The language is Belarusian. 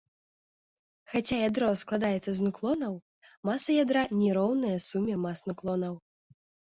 Хаця ядро складаецца з нуклонаў, маса ядра не роўная суме мас нуклонаў.